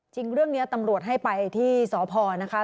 จริงเรื่องนี้ตำรวจให้ไปที่สพนะคะ